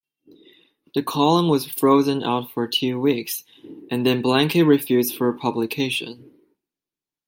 The column was frozen out for two weeks and then blanket-refused for publication.